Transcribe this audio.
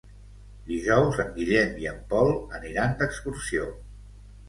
Dijous en Guillem i en Pol aniran d'excursió.